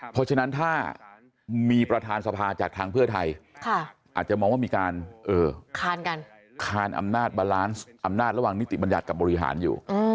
เพราะฉะนั้นถ้ามีประธานสภาจากทางเพื่อไทยอาจจะมองว่ามีการคานอำนาจบาลานซ์อำนาจระหว่างนิติบัญญัติกับบริหารอยู่